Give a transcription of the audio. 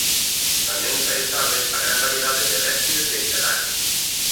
Tamén é salientábel a gran variedade de réptiles mediterráneos.